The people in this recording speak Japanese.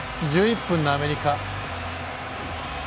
１１分のアメリカ。